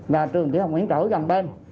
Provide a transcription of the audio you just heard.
và trường tiểu hồng nguyễn trở gần bên